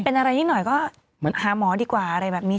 เป็นอะไรนิดหน่อยก็หาหมอดีกว่าอะไรแบบนี้